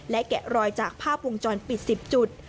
และแกะรอยจากภาพวงจรปิด๑๐จุด